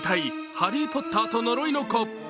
「ハリー・ポッターと呪いの子」。